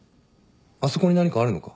あそこに何かあるのか？